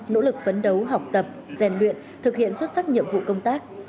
nỗ lực phấn đấu học tập rèn luyện thực hiện xuất sắc nhiệm vụ công tác